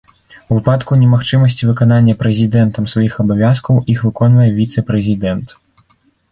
У выпадку немагчымасці выканання прэзідэнтам сваіх абавязкаў іх выконвае віцэ-прэзідэнт.